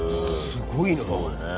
すごいね。